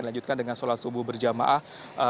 kita lanjutkan dengan sholat subuh berjamaah